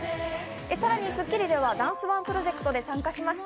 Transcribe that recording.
さらに『スッキリ』ではダンスＯＮＥプロジェクトで参加しました。